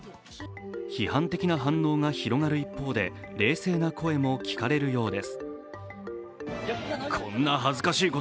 批判的な反応が広がる一方で冷静な声も聞かれるようです。